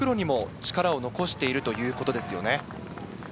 ただ復路にも力を残しているということですよね。